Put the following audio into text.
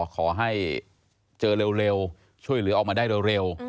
ขอให้เจอเร็วช่วยเหลือออกมาได้เร็ว